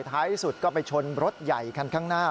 ท้ายสุดก็ไปชนรถใหญ่คันข้างหน้า